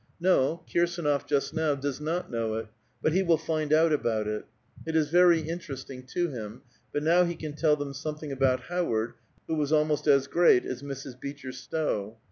No ; Kirsa nof , just now, does not know it, but he will find out about it ; it is very interesting to him, but now he can tell them some thing about Howard who was almost as great as Mrs. Beecher Stowe.